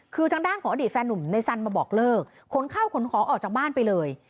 คือทางด้านของอดีตแฟนหนุ่มในสันมาบอกเลิกขนข้าวขนของออกจากบ้านไปเลย